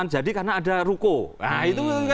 jadi karena ada ruko nah itu